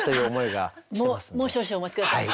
もう少々お待ち下さい。